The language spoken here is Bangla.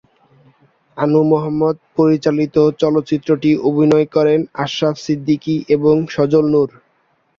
আনু মুহাম্মদ পরিচালিত চলচ্চিত্রটিতে অভিনয় করেন আশরাফ সিদ্দিকী এবং সজল নূর।